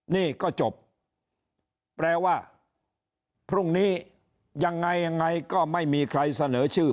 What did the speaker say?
นี่ก็จบแปลว่าพรุ่งนี้ยังไงยังไงก็ไม่มีใครเสนอชื่อ